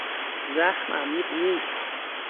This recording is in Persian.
زخم عمیق نیست.